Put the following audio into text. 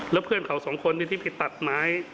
แล้วเพื่อนเขาสองคนที่ไปตัดไม้